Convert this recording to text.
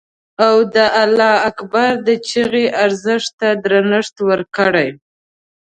او د الله اکبر د چیغې ارزښت ته درنښت وکړي.